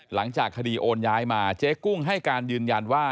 หลังจากคดีโอนย้ายมาเจ๊กุ้งให้การยืนยันว่า